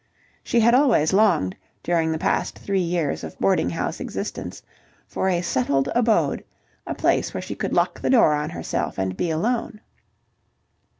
She had always longed, during the past three years of boarding house existence, for a settled abode, a place where she could lock the door on herself and be alone.